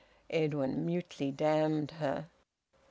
Edwin mutely damned her.